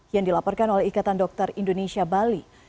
yang dilaporkan oleh ikatan dokter indonesia bali